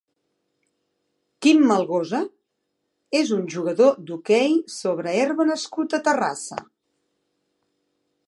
Quim Malgosa és un jugador d'hoquei sobre herba nascut a Terrassa.